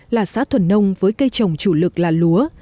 là xã thuần nông với cây trồng chủ lực là lúa